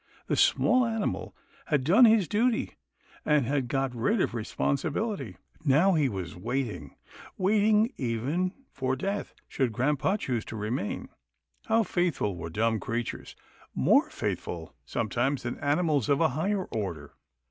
The small animal had done his duty, and had got rid of responsibility. Now he was 242 THE SON OF MUFFLES 243 waiting — waiting even for death, should grampa choose to remain. How faithful were dumb crea tures — more faithful sometimes than animals of a higher order.